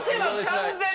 完全に！